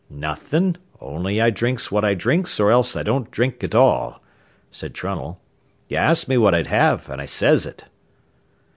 "Nothin', only I drinks what I drinks or else I don't drink at all," said Trunnell. "Ye asked me what I'd have, an' I says it."